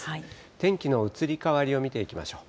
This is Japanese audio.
天気の移り変わりを見ていきましょう。